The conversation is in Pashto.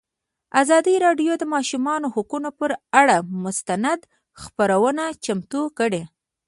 ازادي راډیو د د ماشومانو حقونه پر اړه مستند خپرونه چمتو کړې.